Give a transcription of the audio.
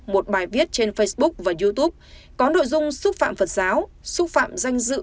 một bài viết trên facebook và youtube có nội dung xúc phạm phật giáo xúc phạm danh dự